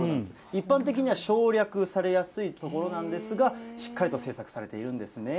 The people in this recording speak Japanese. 一般的には省略されやすいところなんですが、しっかりと製作されているんですね。